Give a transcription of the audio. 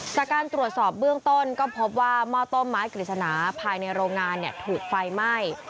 จากการตรวจสอบเบื้องต้นก็พบว่าหม้อต้มไม้กฤษณาภายในโรงงานถูกไฟไหม้